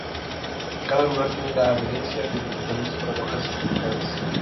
Cada lugar tiene la adherencia de departamentos; para alojar celebridades.